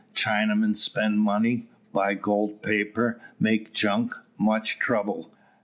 Chinaman spend money, buy gold paper, make junk, much trouble.